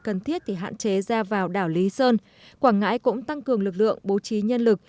cần thiết thì hạn chế ra vào đảo lý sơn quảng ngãi cũng tăng cường lực lượng bố trí nhân lực